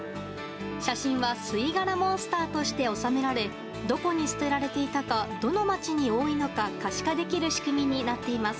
写真は、吸い殻モンスターとして収められどこに捨てられていたかどの街に多いのか可視化できる仕組みになっています。